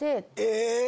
え！